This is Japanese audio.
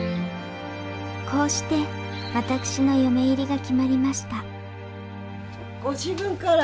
こうして私の嫁入りが決まりましたご自分から？